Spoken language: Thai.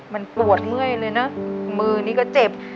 มันปวดเมื่อยเลยนะมือนี้ก็เจ็บ